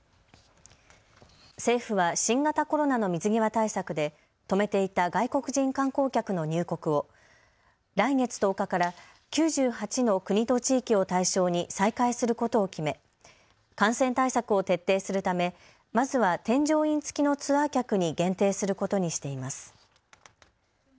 政府は新型コロナの水際対策で止めていた外国人観光客の入国を来月１０日から９８の国と地域を対象に再開することを決め感染対策を徹底するためまずは添乗員付きのツアー客に限定することにしています。